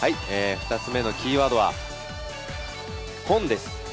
２つのキーワードは、「本」です。